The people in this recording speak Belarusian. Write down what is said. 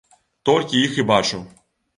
Толькі іх і бачыў.